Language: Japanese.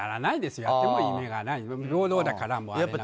やっても意味がないものだから。